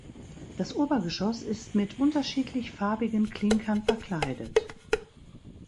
Das Obergeschoss ist mit unterschiedlich farbigen Klinkern verkleidet.